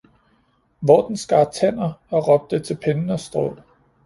hvor den skar tænder, og råbte til pinde og strå.